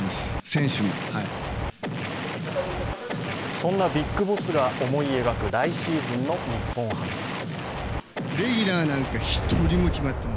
そんなビッグボスが思い描く来シーズンの日本ハムとは。